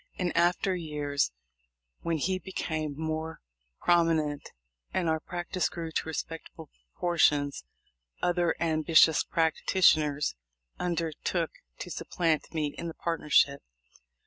In after years, when he became more prominent, and our practice grew to respectable proportions, other ambitious practitioners under took to supplant me in the partnership.